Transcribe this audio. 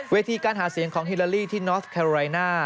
ทีการหาเสียงของฮิลาลีที่นอสแคโรไรน่า